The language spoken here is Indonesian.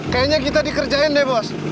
kayaknya kita dikerjain deh bos